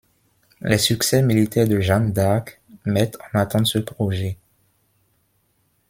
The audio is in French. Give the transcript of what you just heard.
Les succès militaires de Jeanne d'Arc mettent en attente ce projet.